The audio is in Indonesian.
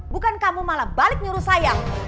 bukan kamu malah balik nyuruh sayang